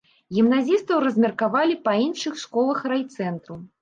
Гімназістаў размеркавалі па іншых школах райцэнтру.